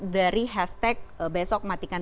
dari hashtag besok matikan